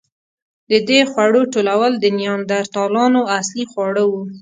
د دې خوړو ټولول د نیاندرتالانو اصلي خواړه وو.